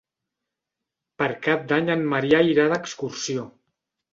Per Cap d'Any en Maria irà d'excursió.